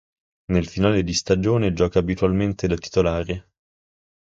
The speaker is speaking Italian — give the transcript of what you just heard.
Nel finale di stagione gioca abitualmente da titolare.